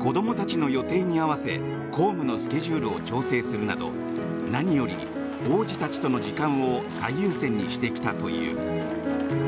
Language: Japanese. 子供たちの予定に合わせ公務のスケジュールを調整するなど何より王子たちの時間を最優先にしてきたという。